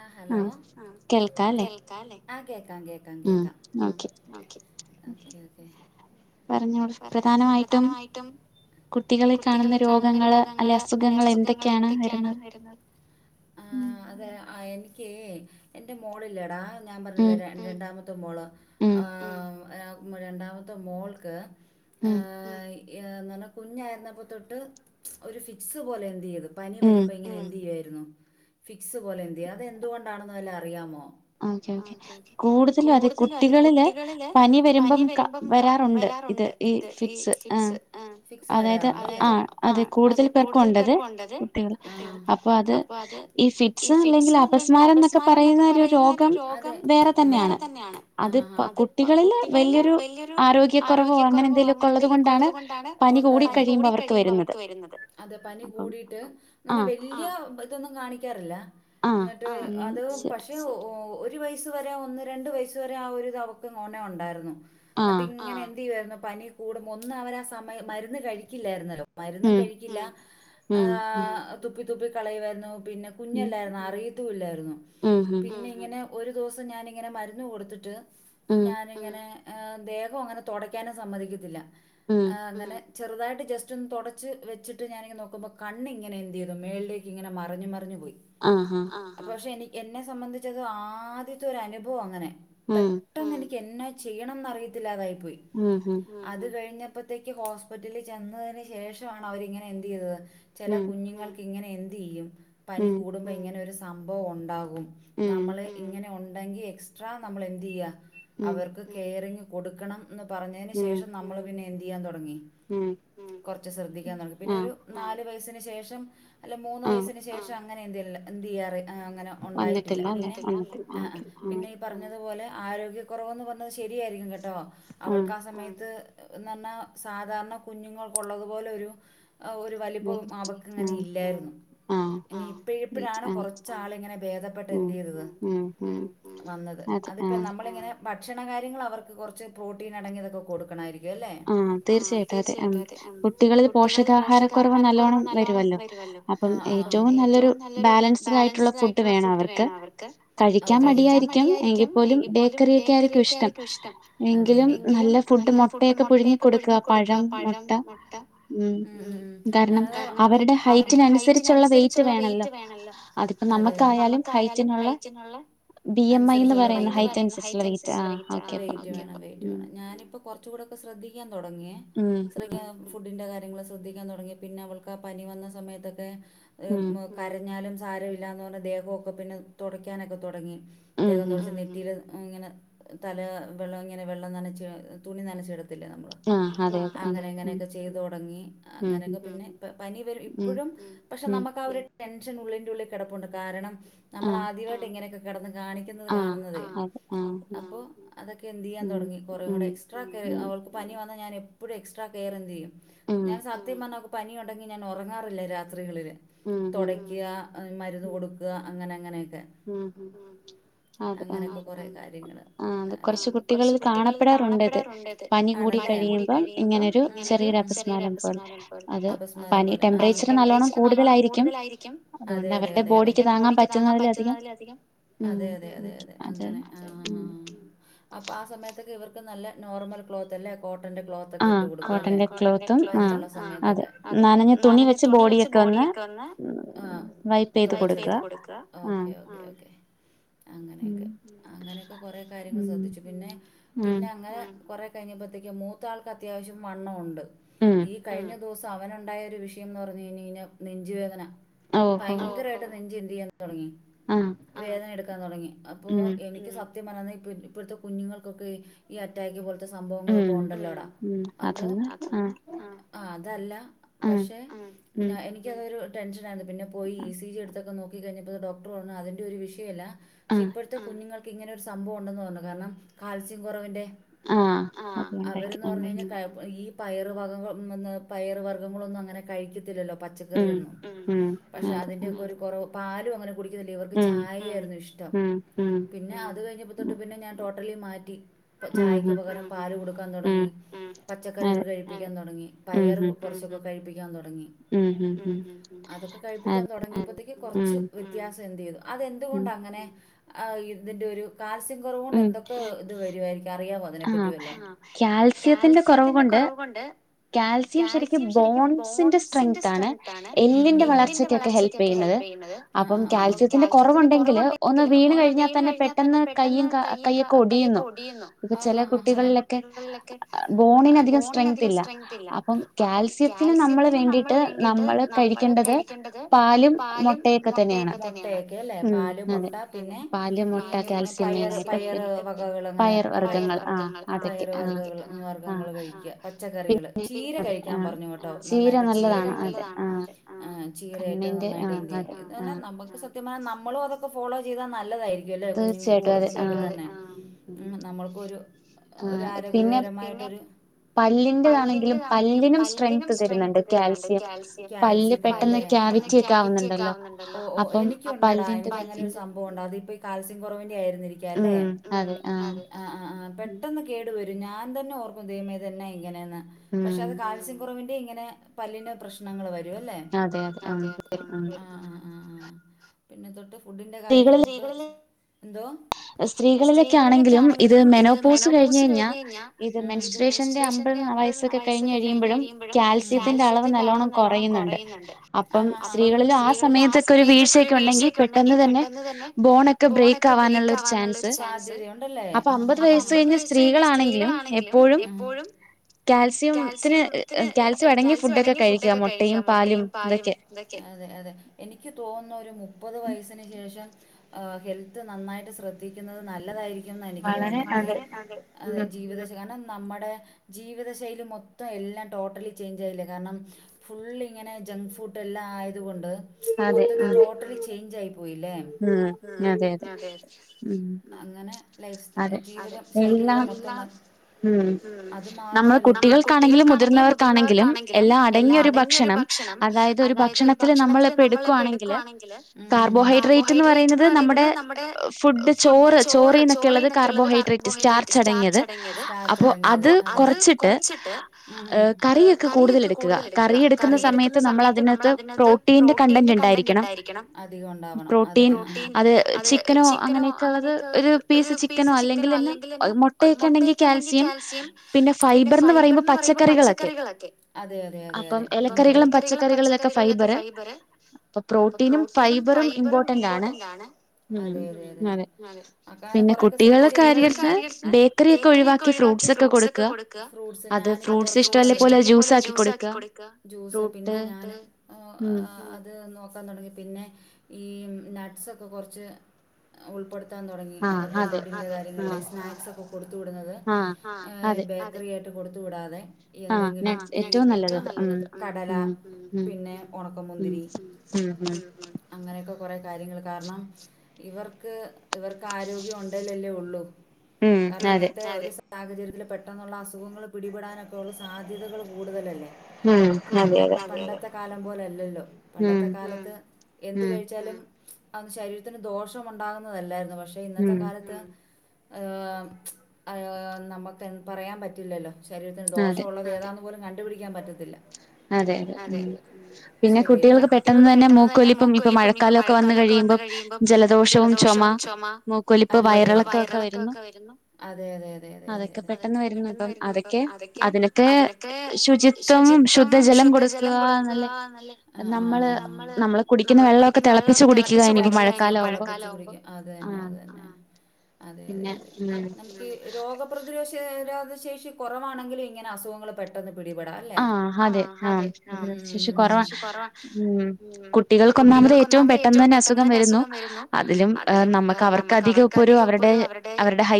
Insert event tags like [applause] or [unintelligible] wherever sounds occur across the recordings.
ആഹ് hello കേൾക്കാലേ കേക്കാം കേക്കാം ഓക്കേ ഓക്കേ പറഞ്ഞോളു പ്രധാനമായിട്ടും കുട്ടികളിൽ കാണുന്ന രോഗങ്ങള് അല്ലെ അസുഖങ്ങൾ എന്തൊക്കെയാണ് വരുന്നത് ആ അതെ എനി ക്ക് എന്റെ മോളില്ലേടാ ഞാൻ പറഞ്ഞില്ലേ രണ്ടാമത്തെ മോള് രണ്ടാമത്തെ മോൾക്ക് ഏ കുഞ്ഞായിരുന്നപ്പോ തൊട്ട് ഒരു ഫിക്സ് പോലെ എന്തു ചെയ്തു പനി വരുമ്പോ ഇങ്ങനെ എന്ത്തു ചെയ്യായിരുന്നു ഫിക്സ് പോലെ എന്ത് ചെയ്യും അതെന്തുകൊണ്ടാണെന്ന് വല്ല അറിയാമോ ഓക്കെ ഓക്കേ കൂടുതലും അതെ കുട്ടികളില് പനി വരുമ്പം വരാറുണ്ട് ഇത് ഈ ആ അതെ കൂടുതൽ പേർക്കും ഉണ്ടത് അപ്പൊ അത് ഈ ഫിറ്റ്സ് അല്ലെങ്കിൽ അപസ്മാരം എന്നൊക്കെ പറയുന്ന രോഗ രോഗ വേറെ തന്നെയാണ് അ കുട്ടികളില് വലിയൊരു ആരോഗ റ അങ്ങനെ എന്തെലുമൊക്കെ ഉള്ളത് കൊൊണ്ടാണ് കൂട കഴിയുമ്പോ അവർക്ക് വരുന്നത് കൂട്ട് അങ്ങനെ വലിയ ഇതൊന്നും കാണിക്കാറില്ല എന്നിട്ട് അത് പക്ഷെ [unintelligible] ഒരു വയസ് വരെ ഒന്ന് രണ്ട് വയസ് വരെ ആ ഒരുരിത് അവക്ക് ഇങ്ങോനെ ഉണ്ടായിരുന്നു എന്നിട്ട് ഇങ്ങനെ എന്ത് ചെയ്യുവായിരുന്നു പനി കൂടുമ്പോ ഒന്നും അവന ആ സമയം മരുന്ന് കഴിക്കില്ലായിരുന്നല്ലോ മരുന്നും കഴിക്കില്ല ഹ തുപ്പി തുപ്പി കളയ വരുന്നു പിന്നെ കുഞ്ഞല്ലായിുന്ന അറിയത്തല്ലായിരുന്നു പിന്നെ ഇങ്ങനെ ഒരു ദിവസം ഞാനിങ്ങനെ മരുന്ന് കൊടുത്തിട്ട് ഞാനിങ്ങനെ ദേഹം അങ്ങനെ തുടക്കാന സമ്മതിക്കല്ല അങ്ങെ ചെറുതായിട്ട് ജസ്റ്റ് ഒന്ന് തുടച്ച് വച്ചിട്ട് ഞാനെങ്ങ നോുമ്പോൾ കണ്ങ്ങെ എന്ത് ചെയ്യ മുകളേക്ക ഇങ്ങനെ മഞ്ഞഞ് പറ പോയി പക്ഷെനി എന്നെ സംബന്ധിച്ചത് ആദ്യത്തെ അനുഭവം അങ്ങനെ പെട്ടെന്ന് എനിക്ക് എന്നോ ചെയ്യണംന്ന് അറിയത്തില്ലാതായിപ്പോയി അത് കഴിഞ്ഞ ഇപ്പത്തേക്ക് ഹോസ്പിറ്റലിൽ ചെന്നതിനന് ശേഷമാണ് അവരിങ്ങനെ എന്ത് ചെയ്തത് ചില കുഞ്ഞുങ്ങൾക്ക് ഇങ്ങനെ ചെയ കൂടുോ ഇങ്ങനെ സംഭവ ഉണ്ടാകും നമ്മൾ ഇങ്ങനെ എ നമ്മ എ ചെയ ക കൊ ചെയ ശേഷം അല്ല മൂന്ന് വയസ്സന് ശേഷം അങ്ങനെ എല്ല എന് ചെയ്യാറ് അങ്ങനെ ഉണ്ടായിട്ടില്ല പിന്നെ ആ ആ പിന്നെ ഈ പറഞ്ഞതുപോലെ ആരോഗ്യ കുുറവന്ന് പറഞ്ഞത് ശരിയായിരിക്കും കേട്ടോ അവൾക്ക് സമയത്ത് എ പറഞ്ഞാ സാധാരണ കുഞ്ഞുങ്ങൾക്കള്ളതു പോോലെ ഒരു ഒരു വലിപ്പവും അവക്ക ഇങ്ങനെ ഇല്ലായിരുന്നു ഇപ്പഴ ഇപ്പോഴാണ് കൊറച്ചാളിങ്ങനെ ഭേദപ്പെട്ട് എന്ത് ചെയ്തത് വന്നത് അതിപ്പോ നമ്മളിങ്ങനെ ഭക്ഷണ കാര്യങ്ങൾ അവർക്ക് കുറച്ച് പ്രോട്ടീൻ അടങ്ങിയതൊക്കെ കൊടുക്കണായിരിക്കും ആ തീർച്ചയായിട്ടും അതെ കുട്ടികളില് പോഷകാഹാരക്കുറവ് നല്ലവോണം വരു അ ഏറ്റവും നല്ലൊരു ബാലൻസ്ഡ ആയിട്ടുള്ള ഫുഡ് വേണം അവർക്ക് കഴിക്കാൻ മടിയായിരിക്കും എങ്കിൽപ്പോലും ബേക്കറൊക്കെ ആയിരിക്കും ഇഷ്ടം എങ്കിലും ഫുഡ്് ഫുഡ് മുട്ടയൊക്കെ പിഴുങ്ങി കൊടുക്കുക പഴം മുട്ട ഉം ഉണം അവരുടെ ഹൈറ്റിനനുസരിച്ചുള്ള വെയിറ്റ് വേണല്ലോ അതെെ നമ്മക്കായാലും ഹൈറ്റിനുള്ള അ ഞറ ശ ക ശ്രദ്ധിക്കാൻ തുടങ്ങന്നെ അവ പ വന്ന സമയൊക്കെ കരാലും സാരമില്ലാന്ന് പറഞ്ഞാൽ ദേഹമൊക്കെ പിന്നെ തുടയ്ക്കാനൊക്കെ തുടങ്ങി ദേഹം തുടച്ച് നെറ്റിയിൽ ഇങ്ങനെ തല വെള്ളം ഇങ്ങനെ വെള്ളം നനച്ചി തുണി നനച്ച ഇടത്തില്ലേ നമ്മള് അങ്ങനെ അങ്ങനെയൊക്കെ ചെയ്തു തുടങ്ങി അങ്ങനെയൊക്കെ പിന്നെ പനി വരും ഇപ്പോഴും പക്ഷെ നമുക്ക് അവര് ടെൻഷൻ ഉള്ളിന്റെറെ ഉള്ളിൽ കിടപ്പുണ്ട് കാരണം നമ്മൾ ആദ്യമായിട്ട് ഇങ്ങനെയൊക്കെ കിട കാണിക്കുന്നത് കാണുന്നത്േ അപ്പൊ അതൊക്കെ എന്ത് ചെയ്യാൻ തുടങ്ങി കുറ കൂടെ അവൾക്ക് പനി ഞാൻ എപ്പോഴ എക്സ്ട്രാ കെയർ എന്ത് ചെയ്യ ാൻ സത്യം പറന്നാൽക്ക് പനിയുണ്ടെങ്കി ഞാൻ ഉറങ്ങാറില്ല രാത്രികളില് തുടയ്ക്കുക മരുന്ന് കൊടുക്കുക അങ്ങനെ അങ്ങനെയൊക്കെ ഉം ഹ അങ്ങനെൊക്കെ കൊറ കാര്യങ്ങള് കുറച്ച കുട്ടികൾ കാണ പ്പെടാറുണ്ടത് അ കൂടി കഴിയുമ്പ ഇങ്ങനെരു ചെറിയൊരു അപസ്മാരം പോര ടെറേച്ചർ നല്ലോണം കൂടുതലായിരിക്കും അവടെോഡിക്ക് താൻ അതതെത അങ്ങനെ ആ അപ്പൊ ആ സമയത്തൊക്കെ ഇവർ നല്ല നോർമൽ ക്ലോത്ത് അല്ലേ കോട്ട [unintelligible] [unintelligible] അങ്ങനെയൊക്കെ അങ്ങനെയൊക്കെ കൊറെ കാര്യങ്ങൾ ശ്രദ്ധിച്ചു പിന്നെ പിന്നെ അങ്ങനെ. കൊറെ കഴിഞ്ഞപ്പോഴത്തേക്കും മൂത്താൾക്ക് അത്യാവശ്യം വണ്ണം ഉണ്ട് ഈ കഴിഞ്ഞ ദുവസം അവന്ണ്ടായ ഒരു വിഷയംന്ന് പറഞ്ഞ് കഴിഞ്ഞ നെഞ്ച് വേദന ഭയങ്കരമായിട്ട് നെഞ്ച്എന്തെയ്യാ തൊടങ്ങി വേദന എടുക്കാൻ തൊടങ്ങി അപ്പോ എനിക്ക് സത് ത്യ പറഞ്ഞ ഇപ്പത്തെ ഇപ്പത്തെ കുഞ്ഞുങ്ങൾക്കൊക്കെ ഈ അറ്റാക്ക് പോലത്തെ സംഭവങ്ങളൊക്കെ ഉണ്ടല്ലോട. അപ്പോ ആ അതല്ല പക്ഷെ ഞാ എനിക്കതൊരു. ടെൻഷനായിരുന്നു പിന്നെ പോയി ഇ സി ജി എടത്തൊക്കെ നോക്കിഴിഞ്ഞപ്പോത്തേയ്ക്ക് ഡോക്ടർ പറഞ്ഞു അതിൻന്റെ ഒരു വിഷയല്ല. ഇപ്പോഴത്തെ കുഞ്ഞുങ്ങൾക്ക് ഇങ്ങനൊരു സംഭവം ഉണ്ടെന്ന് പറഞ്ഞു കാരണം കാൽസ്യം ആ അവരന്ന് പറഞ്ഞ് ത കഴിഞ്ഞാ ഈ. പയർ വകക ന്ന് പയറ് വർഗ്ഗങ്ങളൊന്നും അങ്ങനെ കഴിക്കത്തില്ലല്ലോ. പച്ചക്കറിയൊന്നും പക്ഷെ അതിന്റെക്കെ ഒരു കൊറവ് പാലുങ്ങനെ. കുടിക്കില്യേ ഇവർക്ക് ചായേയ്രുന്നു ഇഷ്ട്ടം പിന്നെ അത്കഴിഞ്ഞപ്പോതൊട്ട് പിന്നെ ഞൻ. ളി മാറ്റി. ചായക്ക് പകരം പാല് കൊടുക്കാൻ തൊടങ്ങി പച്ചക്കറികൾ കഴിപ്പിക്കാൻ തൊടങ്ങി പയറ് കുറച്ചൊക്കെ കഴിപ്പി ങ്ങി. മ് മ് മ് അതൊക്കെ കഴിപ്പിക്കാൻ തൊ ടങ്ങിയപ്പോത്തേക്ക് കൊറച്ച് വ്യത്യാസം എന്ത്യ്തു അതെന്തുകൊണ്ട അങ്ങനെ. ആ ഇതിന്റെ ഒരു കാൽസ്യം കൊറവോണ്ട് എന്തൊക്കെ ഇത് വരുവായിരിക്കും. അറിയാമോ അതിനെപറ്റി വല്ലോം ആ ക്യാൽസ്യത്തിന്റെ കൊറവ് കൊണ്ട്. ക്യാൽസ്യം ശെരിക്കും ബോൺസിന്റെ സ്ട്രെങ്ത്ത് ആണ് എല്ലിന്റെ വളർച്ചക്കൊക്കെ ഹെൽപ് യ്യുന്നത്. അപ്പം കാൽസ്യത്തിന്റെ കുറവുണ്ടെല് ഒന്ന് വീണ് കഴിഞ്ഞ തന്നെ പെട്ടെന്ന് കയ്യും കാ കയ്യും ക്കൊടിയുന്നു. ഇപ്പൊ ചെല കുട്ടികളിലൊക്കെ ബോണിനധികം സ്ട്രെങ്ത്ത് ഇല്ല അപ്പം ക്യാൽസ്യത്തി കാൽസ്യത്തിന് നമ്മള് വേണ്ടിട്ട് നമ്മള് കഴിക്കേണ്ടത് പാലും മുട്ടയൊക്കെതന്നെ മുട്ടയോ ക്കെല്ലെ പാല് മുട്ട പിന്നെ ഈ പയറ് പയറ് വകകൾ ങ്ങനെ. പയറ് വർഗങ്ങൾ ആ പയറ് വര്ഗ ങ്ങൾ കഴിക്കാ. പച്ചക്കറി കള് ചീര കഴിക്കാൻ പറഞ്ഞൂട്ടോ നന്നായിട്ട്ചീര നല്ലതാണ് അതെ ആ ചീര ഏറ്റവും നന്നായി ട്ട്ണ്ടി ഇത് തന്നെ നമ്മക്ക് സത്യ ഇപ്പ ഫോളോ ചെയ്താ നല്ലതായിരിക്കുല്ലെ കുഞ്ഞുങ്ങൾക്ക് മ് ശെരി ആ കൊടുക്കുന്നൊക്കെ തന്നെ മ് നമ്മൾക്കൊരു പല്ലിന്റെതാണെങ്കിലും പല്ലിനും സ്ട്രെങ്ത്ത് തെര്ന്ന്ണ്ട് ക്യാൽസ്യം പല്ല് പെട്ടെന്ന് കേ ഇപ്പ ഇന്ന് ക്യാവിറ്റിയൊക്കെ ആവു ന്നു ണ്ടല്ലോ ഓ ഓ എനിക്കുണ്ടടാ അപ്പം പല്ലിന്റെ എനിക്ക്ങ്ങനെ സംഭവംണ്ടെടാ. ഇപ്പൊയി കാൽസ്യം കൊറവിന്റെയായിരിന്നിരിക്കാം ഇപ്പ ഞാൻ തന്നെ ഓർക്കും ദൈവമേ ഇതെന്നാ ഇങ്ങനെന്ന് പക്ഷെ അത് കാൽസ്യ കുറവിന്റെ. അങ്ങനെ പല്ലിന്ന് പ്രശ്നങ്ങൾ വരുംല്ലേ. അതെ അതെ ആ ആ ആ ആ ആ പിന്നെ തൊട്ട് ഫുഡിന്റെ കാര്യങ്ങളൊക്കെ [unintelligible] എന്തോ. സ്ത്രീകളിലൊക്കെ ആണെങ്കി ലും ഇത് മെനോപോസ് കഴിഞ്ഞഴിഞ്ഞാ ഇത് മെൻസറ്ററേഷന്റെ അമ്പത് വയസ് ഒക്കെ കഴിഞ്ഞ് കഴിയുമ്പോഴ ക്കും ക്യാൽസ്യത്തിന്റ അളവ് നല്ലോണം കുറയുന്നുണ്ട് അപ്പം സ്ത്രീകളിലും ആ സമയത്തൊക്കൊരു. വീഴ്ചക്കെ ഉണ്ടെങ്കിൽ പെട്ടെന്ന് തന്നെ ബോണൊക്കെ ബ്രേക്ക് ആവാന്ള്ള ഒരു ചാൻ നേള്ളേര് സാധ്യതണ്ടല്ലേ ഹാ ഹാ അപ്പൊ അമ്പത് വയസ് കഴിഞ്ഞ സ്ത്രീകളാണെങ്കിലും എപ്പോഴും. ക്യാൽസ്യം ത്തിന് ക്യാൽസ്യം അടങ്ങിയ ഫുഡൊക്കെ കഴിക്ക മുട്ടയും പാലും ഇതൊക്കെ. അതെ അതെ എനിക്ക് തോന്നുന്നു ഒരു മു പ്പത് വയസ്സിന് ശേഷം ക്കും ന്ന എനിക്ക് തോന്ന്ന്നെ വളരെ ജീവി നമ്മടെ ജീവിതശൈലി മൊത്തം എല്ലാം ടോട്ടലി ചേഞ്ച് ആയില്ല കാരണം ഫുള്ളി ഇങ്ങനെ. ജം ഫുഡ് എല്ലാ ആയത് കൊണ്ട് മൊത്തത്തിൽ ടോട്ടലി ചെയ് ഞ്ചായിപോ പോയില്ലേ ആ അതതെ അങ്ങനെ. ലൈഫ്‌സ് ജീവിതം ശൈലികളുമൊത്തം ഇന്നാ ഉം നമ്മൾ കുട്ടികൾക്കാണെങ്കിലും മുതിർന്നവർക്കാണെങ്കിലും എല്ലാ അടങ്ങിയൊരു ഭക്ഷണം. ഭക്ഷണം അതായാതൊരു ഭക്ഷത്തിലെ നമ്മളെപ്പ എടുക്ക്ണെങ്കില് കർബോ പറയുന്നത് നമ്മുടെ ഫുഡ് ചോറ് ചോറി- ചോറിനൊക്കെള്ളത് കാർബോഹൈഡ്രേറ്റ് സ്റ്റാർച്ച് അടങ്ങിയത് അപ്പൊ അത് കൊറച്ചിട്ട്- കറിയൊക്കെ കൂടുതൽ എടുക്കുക കറി എടുക്കുന്ന സമയത്ത് നമ്മൾ അതിനകത്ത് പ്രോട്ടീന്റെ കണ്ടന്റ് ഉണ്ടായിരിക്കും ഉണ്ടായിരിക്കണം അധികം ഉണ്ടാവണം പ്രോട്ടീൻ അത് ചിക്കനോ അങ്ങനെയൊക്കെ ഉള്ളത് ഒരു- ഒരു പീസ് ചിക്കനോ അല്ലെങ്കില് എന്നാ മുട്ടയൊക്കെ ഉണ്ടാങ്കി കാൽസ്യം പിന്നെ ഫൈബർ എന്ന് പറയുമ്പോ പച്ച- പച്ചക്കറികൾ ഒക്കെ അതെ അതെ ഇലക്കറികളും പച്ചക്കറികളും ഇതൊക്ക ഫൈബർ- അപ്പൊ പ്രോട്ടീനും ഫൈബറും- വെറും ഇംപോർട്ടന്റ് ആണ് അങ്ങനെ കുറെ ശ്രദ്ധിച്ച കഴിഞ്ഞാൽ പിന്നെ കുട്ടികളുടെ കാര്യം എടുത്ത ബേക്കറിയൊക്കെ ഒഴിവാക്കി ഫ്രൂട്ട്സ് ഒക്കെ കൊടുക്ക, ഫ്രൂട്സ് ഞാൻ - ഫ്രൂട്ട്സ് ഇഷ്ടമല്ലെങ്കിൽ പോലും അത് ജൂസ് ആക്കി കൊടുക്ക ജ്യൂസ്‌ പിന്നെ ഞാന് അത് നോക്ക- നോക്കാൻ തൊടങ്ങി പിന്നെ ഈ നട്സ് ഒക്കെ കൊറച്ച് ഉൾപ്പെടുത്താൻ തൊടങ്ങി- അവരുടെ ഫുഡിന്റെ കാര്യങ്ങളില്ലേ സ്നാക്സ് ഒക്കെ കൊടുത്ത് വിടുന്നതെ ബേക്കറി ഐ- കൊടുത്ത് വിടാതെ എന്തെങ്കിലും ഇ നാട്ടസ് ഏറ്റവും നല്ലത് കടല പിന്നെ ഉണക്ക മുന്തിരി അങ്ങനെയൊക്കെ കൊറെ കാര്യങ്ങൾ കാരണം ഇവർക്ക് ഇവർക്ക് ആരോഗ്യ- [inaudible] സാഹചര്യത്തിൽ പെട്ടെന്നുള്ള അസുഖങ്ങൾ പിടിപെടാനുള്ള സാധ്യതകൾ കൂടുതലല്ലേ ഉം അതെ അതെ പോലല്ലല്ലോ പണ്ടത്തെ കാലത്ത് എന്ത് കഴിച്ചാലും അന്ന് ശരീരത്തിന് ദോഷം ഉണ്ടാകുന്നതല്ലായിരുന്നു പക്ഷെ ഇന്നത്തെ- നമുക്ക് പറയാൻ പറ്റില്ലല്ലോ ശരീരത്തിന് ദോഷം ഉള്ളത് ഏതാന്ന് പോലും കണ്ടുപിടിക്കാൻ പറ്റത്തില്ല അതെ അതെ ഉം പിന്നെ കുട്ടികൾക്ക് പെട്ടെന്ന് തന്നെ മൂക്കൊലിപ്പും ഇപ്പൊ മഴക്കാലഒക്കെ വന്ന് കഴിയി- കഴിയുമ്പോ ജലദോഷവും ചുമ മൂക്കൊലി- അതെ അതെ മൂക്കൊലി വയറിളക്കം ഒക്കെ വരുന്നു അതെ അതെ അതെ അതെ അതെ അതെ അതൊക്കെ പെട്ടെന്ന് വരുന്നു ഇപ്പം അതൊക്കെ അതിനലൊക്കെ ശുചിത്വം ശു- ശുദ്ധ ജലം കൊടുക്കുക്ക നല്ല ആ ആ നമ്മള് നമ്മള് കുടിക്കുന്ന വെള്ളമൊക്ക തിളപ്പിച്ച്- മഴക്കാലംആകുമ്പോ അതെ അതെ അതെ നമുക്ക് രോഗപ്രതിരോ- പ്രതിരോധശേഷി കുറവാണെങ്കിലും ഇങ്ങനെ അസുഖങ്ങൾ പെട്ടെന്ന്- പിടിപെടാം അല്ലെ ആ അതെ ആ ശേഷി കുറവാ കുട്ടി- ഒന്നാമാത്‍ ഏറ്റവും പെട്ടെന്ന് തന്നെ അസുഖം വരുന്നു അതിലും നമുക്ക് അവർക്കാധികം- അധികം ഇപ്പൊ ഒരു അവരുടെ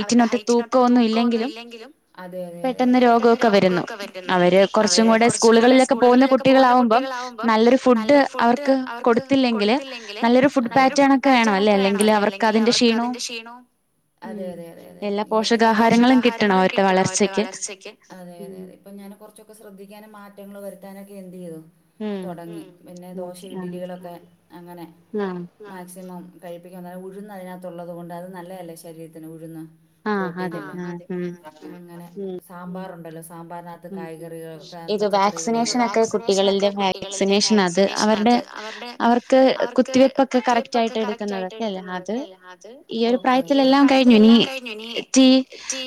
അവരുടെ ഹെയറ്റിനു ഓത് തൂക്കം ഒന്നും ഇല്ലെങ്കിലും അതെ അതെ പെട്ടന്ന് രോഗം - [inaudible] കുറച്ചും കൂടെ സ്കൂളുകളിലൊക്കെ പോകുന്ന കുട്ടികൾ ആവുമ്പം നല്ലൊരു ഫുഡ് അവർക്ക് കൊടുത്തില്ലെങ്കില്- നല്ലൊരു ഫുഡ് പാറ്റേൺ ഒക്കെ വേണം അല്ലേ അല്ലെങ്കിൽ അവർക്ക് അതിന്റെ ക്ഷീണവും- ആ അതെ അതെ അതെ അതെ ഇവർക്ക് എല്ലാ പോഷകാഹാരങ്ങളും കിട്ടണം അവരുടെ വളർച്ചക്ക് അതെ അതെ ഇപ്പ ഞാൻ കുറച്ചൊക്കെ ശ്രദ്ധിക്കാനും മാറ്റങ്ങള് വെരുത്താനൊക്കെ എന്ത് ചെയ്തു- തുടങ്ങി പിന്നെ ദോശ ഇഡ്ലികളൊക്കെ അങ്ങനെ മാക്സിമം- കഴിപ്പിക്കാൻ എന്നാലും ഉഴുന്ന് അതിനകത്തുള്ളത് കൊണ്ട് അത് നല്ലതല്ലേ ശരീരത്തിന് ഉഴുന്ന് പ്രോട്ടീൻ അല്ലെ അതെ ആ സാമ്പാറുണ്ടല്ലോ സാമ്പാറിനകത്ത് കായ്‌കറികൾ പച്ചക്കറികൾ വാക്സിനേഷൻ ഒക്കെ കുട്ടികളില് വാക്സിനേഷൻ ആ അത് അവരുടെ അവർക്ക് കുത്തിവെപ്പൊക്കെ കറക്റ്റ് ആയിട്ട് എടുക്കുന്നതൊക്കെ അല്ലെ അത് ഓക്കെ ഓക്കെ ഈ ഒരു പ്രായത്തിലെല്ലാം കഴിഞ്ഞു ഇനി റ്റി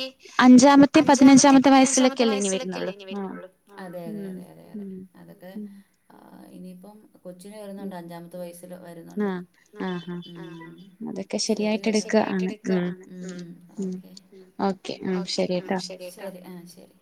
അഞ്ചാമത്തെ പതിനഞ്ചാമതെ- എത്ര വയസ്സിൽ അല്ലെ ഇനി വരുന്നുള്ളു അതെ അതെ അതെ അതെ അതെ അതൊക്കെ ആ ഇനിയിപ്പം കൊച്ചിന് വരുന്നുണ്ട് അഞ്ചാമത്തെ വയസ്സില് വരുന്നുണ്ട് ശരി കേട്ടോ ഏറ്റു എടുക ആണ് മ്മ് മ്മ് ഓക്കെ ഓക്കെ ആ ശരിട്ടോ ശരി ശരി